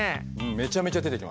めちゃめちゃ出てきます。